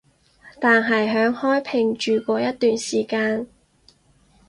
但係響開平住過一段時間